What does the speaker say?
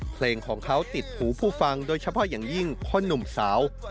เพลงของเขาติดหูผู้ฟังโดยเฉพาะอย่างยิ่งคนหนุ่มสาว